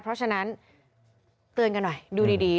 เพราะฉะนั้นเตือนกันหน่อยดูดี